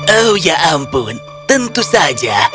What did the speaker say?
oh ya ampun tentu saja